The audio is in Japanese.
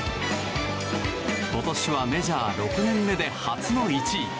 今年は、メジャー６年目で初の１位。